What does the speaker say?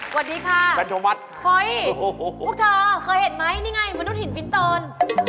สวัสดีค่ะฮ่อยพวกเธอเคยเห็นไหมนี่ไงมนุษย์หินพิสตรน